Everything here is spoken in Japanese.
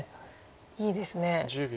いいですね。